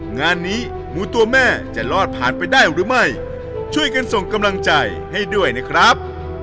งานนี้หมูตัวแม่จะรอดผ่านไปได้หรือไม่ช่วยกันส่งกำลังใจให้ด้วยนะครับ